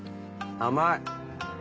甘い。